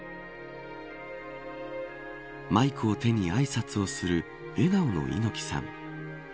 マイクを手にあいさつをする笑顔の猪木さん。